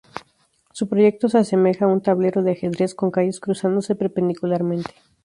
Su proyecto se asemeja a un tablero de ajedrez, con calles cruzándose perpendicularmente.